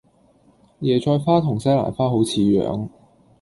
椰菜花同西蘭花好似樣